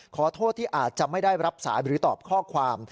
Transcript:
ขอโทษที่อาจจะไม่ได้รับสายหรือตอบข้อความ